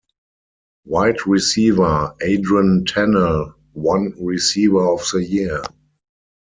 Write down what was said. Wide Receiver Adron Tennell won Receiver of the Year.